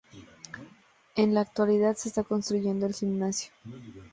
En la actualidad se está construyendo el gimnasio.